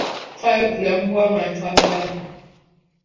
Faayo ku bulamu bw'abantu abalala.